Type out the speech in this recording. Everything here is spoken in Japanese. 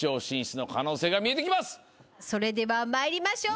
それでは参りましょう。